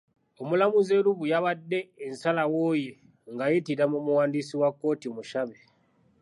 Omulamuzi Elubu yawadde ensalawo ye ng'ayitira mu muwandiisi wa kkooti Mushabe.